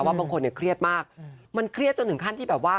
บางคนเนี่ยเครียดมากมันเครียดจนถึงขั้นที่แบบว่า